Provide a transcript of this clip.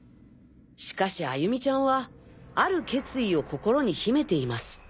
しかし歩美ちゃんはある決意を心に秘めています。